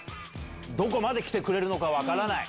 どこまで来てくれるのか分からない。